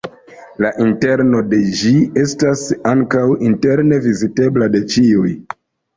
La interno de ĝi estas ankaŭ interne vizitebla de ĉiuj.